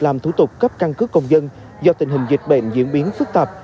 làm thủ tục cấp căn cứ công dân do tình hình dịch bệnh diễn biến phức tạp